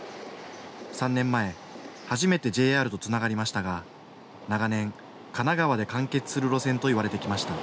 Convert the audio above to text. ３年前初めてＪＲとつながりましたが長年、神奈川で完結する路線といわれてきました。